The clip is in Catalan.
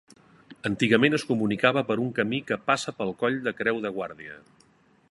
Antigament es comunicava per un camí que passa pel coll de Creu de Guàrdia.